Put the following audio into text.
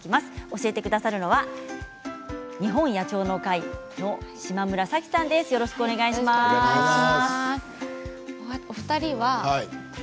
教えてくださるのは日本野鳥の会の嶋村早樹さんです。